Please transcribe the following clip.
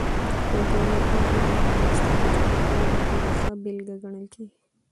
وګړي د افغانستان د جغرافیې یوه ډېره ښه بېلګه ګڼل کېږي.